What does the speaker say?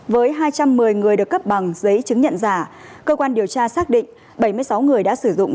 với hai trăm một mươi người được cấp bằng giấy chứng nhận giả cơ quan điều tra xác định bảy mươi sáu người đã sử dụng